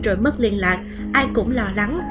rồi mất liên lạc ai cũng lo lắng